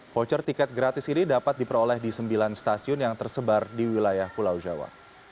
voucher tiket gratis ini dapat diperoleh di sembilan stasiun yang tersebar di wilayah pulau jawa